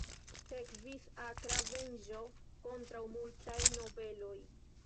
Sekvis akra venĝo kontraŭ multaj nobeloj.